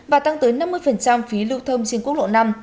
và tăng tới năm mươi phí lưu thông trên quốc lộ năm